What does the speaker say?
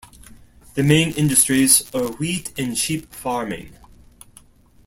The main industries are wheat and sheep farming.